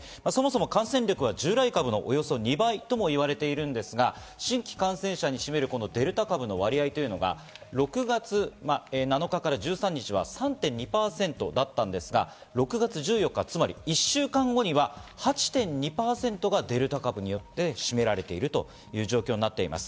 感染力は従来株の２倍ともいわれているんですが、新規感染者に占めるデルタ株の割合が、６月７日から１３日は３．２％だったのが１週間後には８．２％がデルタ株によって占められているという状況になっています。